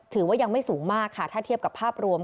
ถือว่ายังไม่สูงมากค่ะถ้าเทียบกับภาพรวม